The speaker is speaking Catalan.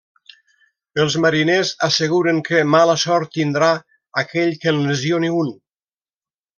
Els mariners asseguren que mala sort tindrà aquell que en lesioni un.